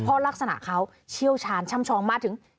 เพราะลักษณะเขาเชี่ยวชาญช่ำชองมาถึงจอดมอเซีย